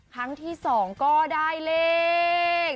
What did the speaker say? ครั้งที่๒ก็ได้เลข